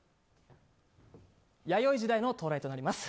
弥生時代の到来となります。